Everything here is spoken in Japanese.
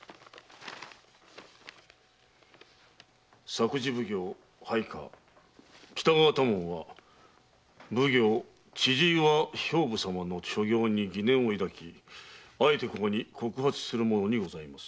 「作事奉行配下・北川多門は奉行・千々岩兵部様の所業に疑念を抱きあえてここに告発するものにございます」